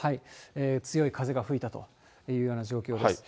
強い風が吹いたという状況です。